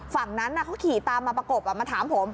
ฝั่งนั้นเขาขี่ตามมาประกบมาถามผม